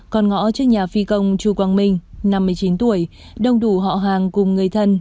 con ngõ trước nhà phi công chu quang minh năm mươi chín tuổi đông đủ họ hàng cùng người thân